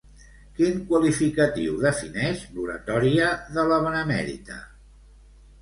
Quin qualificatiu defineix l'oratòria de la Benemèrita?